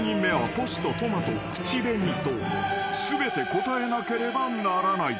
口紅と全て答えなければならない］